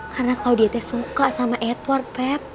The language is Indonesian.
karena klaudia tuh suka sama edward pep